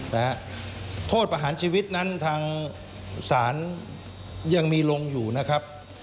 นะฮะโทษประหารชีวิตนั้นทางศาลยังมีลงอยู่นะครับ